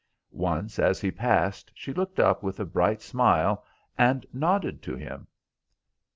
Once as he passed she looked up with a bright smile and nodded to him.